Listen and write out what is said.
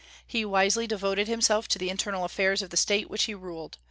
He wisely devoted himself to the internal affairs of the State which he ruled.